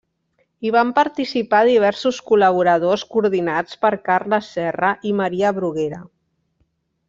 Hi van participar diversos col·laboradors coordinats per Carles Serra i Maria Bruguera.